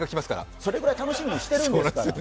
それくらい楽しみにしてるんですから。